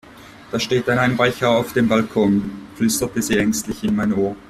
Da steht ein Einbrecher auf dem Balkon, flüsterte sie ängstlich in mein Ohr.